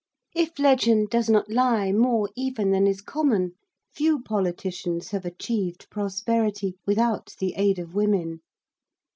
If legend does not lie more even than is common, few politicians have achieved prosperity without the aid of women.